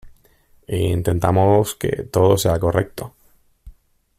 Intentamos que todo sea correcto.